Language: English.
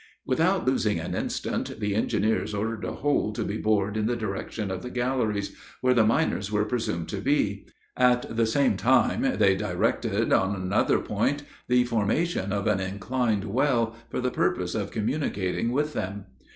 Without losing an instant, the engineers ordered a hole to be bored in the direction of the galleries, where the miners were presumed to be; at the same time, they directed, on another point, the formation of an inclined well, for the purpose of communicating with them.